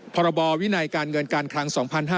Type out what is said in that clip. พรบวินัยการเงินการคลัง๒๕๕๙